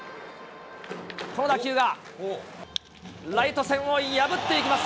この打球がライト線を破っていきます。